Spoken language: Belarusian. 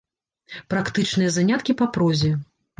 Практычныя заняткі па прозе.